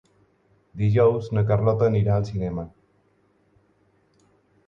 Dijous na Carlota anirà al cinema.